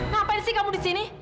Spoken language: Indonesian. ngapain sih kamu di sini